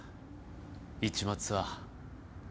市松は。